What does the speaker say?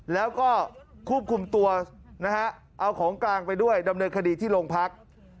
แล้วก็ควบคุมตัวนะฮะเอาของกลางไปด้วยดำเนินคดีที่โรงพัก